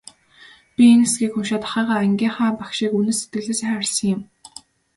Би энэ хэсгийг уншаад ахыгаа, ангийнхаа багшийг үнэн сэтгэлээсээ хайрласан юм.